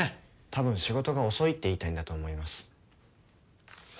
たぶん仕事が遅いって言いたいんだと思います。